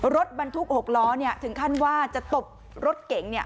รถบรรทุกหกล้อเนี้ยถึงขั้นว่าจะตบรถเก๋งเนี้ย